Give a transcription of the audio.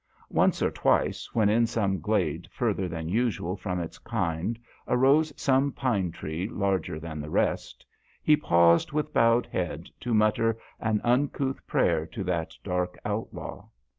Once or twice, when in some glade further than usual from its kind arose some pine tree larger than the rest, he paused with bowed head to mutter an uncouth prayer to that dark outlaw.